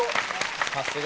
さすが！